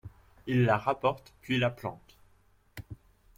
Il la rapporte puis la plante.